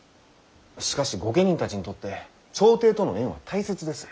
しかし御家人たちにとって朝廷との縁は大切です。